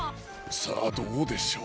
さあどうでしょう？